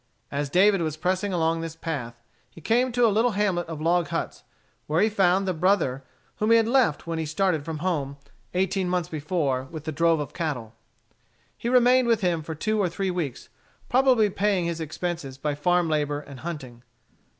As David was pressing along this path he came to a little hamlet of log huts, where he found the brother whom he had left when he started from home eighteen months before with the drove of cattle. He remained with him for two or three weeks, probably paying his expenses by farm labor and hunting.